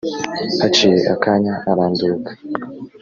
haciye akanya iranduruka